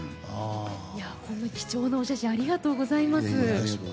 こんな貴重なお写真ありがとうございます。